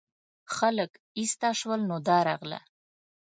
خلک ایسته شول نو دا راغله.